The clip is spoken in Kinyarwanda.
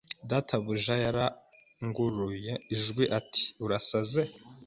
Databuja yaranguruye ijwi ati Urasaze